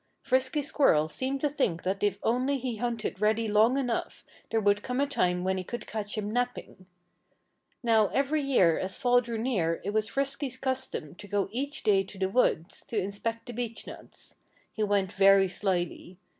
Frisky Squirrel seemed to think that if only he hunted Reddy long enough there would come a time when he would catch him napping. Now, every year as fall drew near it was Frisky's custom to go each day to the woods, to inspect the beechnuts. He went very slyly.